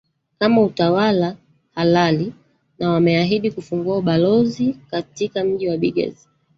kama utawala halali na wameahidi kufungua balozi katika mji wa bigaz